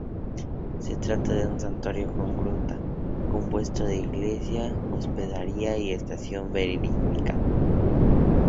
Se trata de un santuario con gruta, compuesto de iglesia, hospedería y estación veraniega.